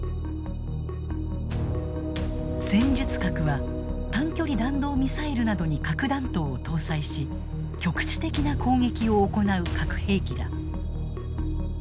戦術核は短距離弾道ミサイルなどに核弾頭を搭載し局地的な攻撃を行う核兵器だ。